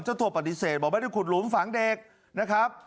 เจ้าตัวปฏิเสธบอกไม่ได้ขุดหลุมฝังเด็กนะครับ